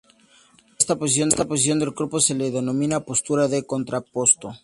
A esta posición del cuerpo se le denomina postura de "contrapposto".